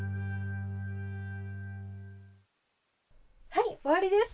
はい、終わりです。